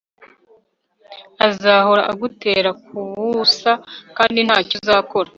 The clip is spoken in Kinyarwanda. Azahora agutera kubusa kandi ntacyo uzakora